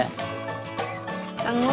kok banyak yang kenal bapak